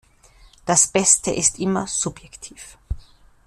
Das Beste ist immer subjektiv.